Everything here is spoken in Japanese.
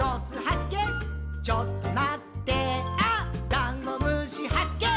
ダンゴムシはっけん